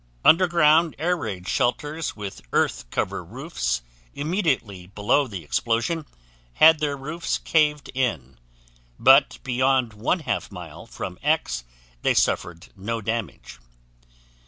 Underground air raid shelters with earth cover roofs immediately below the explosion had their roofs caved in; but beyond 1/2 mile from X they suffered no damage.